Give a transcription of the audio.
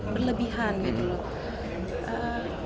berlebihan gitu loh